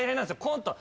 コント。